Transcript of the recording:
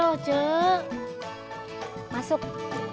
alliance tidak bisa juga dibunuh